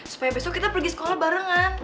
supaya besok kita pergi sekolah barengan